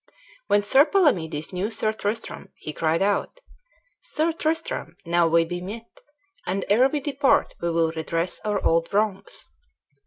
When Sir Palamedes knew Sir Tristram, he cried out, "Sir Tristram, now we be met, and ere we depart we will redress our old wrongs."